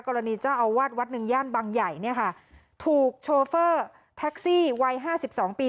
กรณีเจ้าอาวาสวัดหนึ่งย่านบางใหญ่ถูกโชเฟอร์แท็กซี่วัย๕๒ปี